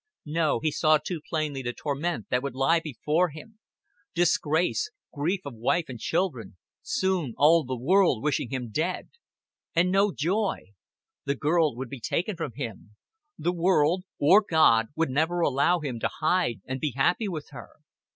No, he saw too plainly the torment that would lie before him disgrace, grief of wife and children, soon all the world wishing him dead. And no joy. The girl would be taken from him. The world or God would never allow him to hide and be happy with her.